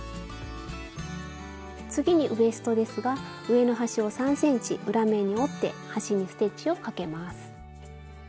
次にウエストですが上の端を３ｃｍ裏面に折って端にステッチをかけます。